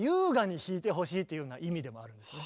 というような意味でもあるんですね。